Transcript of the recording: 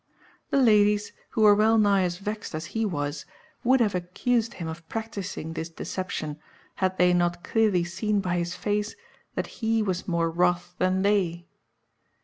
The ladies, who were well nigh as vexed as he was, would have accused him of practising this deception had they not clearly seen by his face that he was more wroth than they.